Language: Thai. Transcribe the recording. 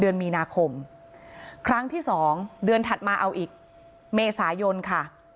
เดือนมีนาคมครั้งที่สองเดือนถัดมาเอาอีกเมษายนค่ะ